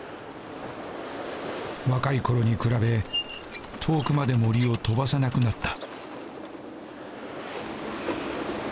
若いころに比べ遠くまでもりを飛ばせなくなった。